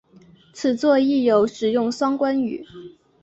此作亦有使用双关语。